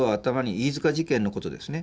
飯塚事件のことですね。